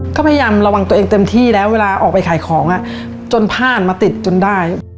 ก็พยายามระวังตัวเองเต็มที่แล้วเวลาออกไปขายของจนผ่านมาติดจนได้